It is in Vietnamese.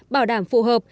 bảo đảm phù hợp